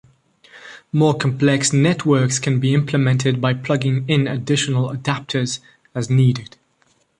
More complex networks can be implemented by plugging in additional adapters as needed.